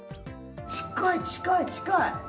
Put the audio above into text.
近い近い近い！